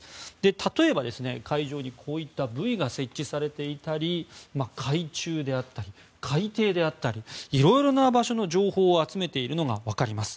例えば、海上にこういったブイが設置されていたり海中であったり海底であったり色々な場所の情報を集めているのがわかります。